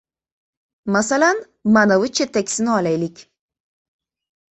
— Masalan, manavi chetdagisini olaylik.